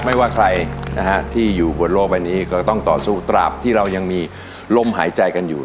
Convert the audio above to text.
ไม่ว่าใครนะฮะที่อยู่บนโลกใบนี้ก็ต้องต่อสู้ตราบที่เรายังมีลมหายใจกันอยู่